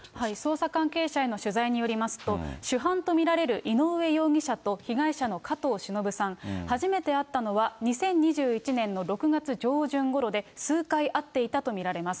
捜査関係者への取材によりますと、主犯と見られる井上容疑者と被害者の加藤しのぶさん、初めて会ったのは２０２１年の６月上旬ごろで、数回会っていたと見られます。